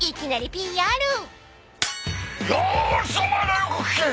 よしお前らよく聞け！